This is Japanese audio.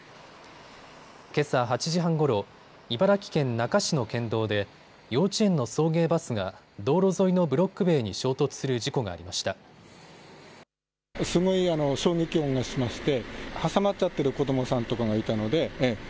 けさ８時半ごろ、茨城県那珂市の県道で幼稚園の送迎バスが道路沿いのブロック塀に衝突する事故がありました。